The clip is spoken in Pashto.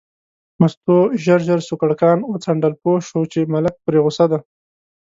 مستو ژر ژر سوکړکان وڅنډل، پوه شوه چې ملک پرې غوسه دی.